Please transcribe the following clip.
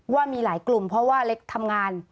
ว่ามีหลายกลุ่มเพราะว่าเล็กทำงาน